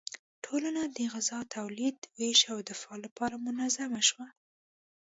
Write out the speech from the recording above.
ټولنه د غذا تولید، ویش او دفاع لپاره منظم شوه.